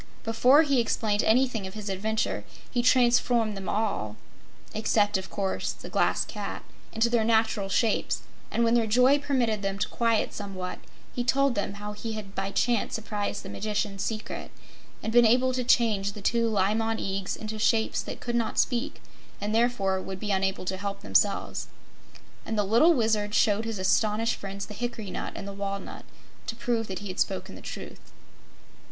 Before he explained anything of his adventure, he transformed them all except, of course, the Glass Cat into their natural shapes, and when their joy permitted them to quiet somewhat, he told how he had by chance surprised the Magician's secret and been able to change the two Li Mon Eags into shapes that could not speak, and therefore would be unable to help themselves. And the little Wizard showed his astonished friends the hickory nut and the walnut to prove that he had spoken the truth.